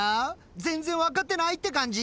全然わかってないって感じ？